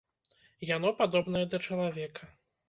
Яно падобнае да чалавека.